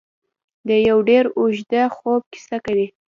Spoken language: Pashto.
د یو ډېر اوږده خوب کیسه کوي.